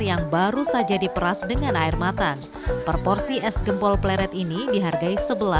yang baru saja diperas dengan air matang proporsi es gempol fleret ini dihargai rp sebelas saya